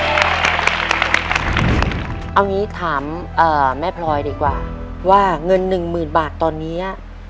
เอาอย่างนี้ถามแม่พลอยดีกว่าว่าเงินหนึ่งหมื่นบาทตอนนี้